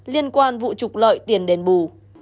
liên quan vụ trục lợi tiền đền bù